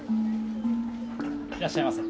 いらっしゃいませ。